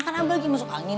kan abah lagi masuk angin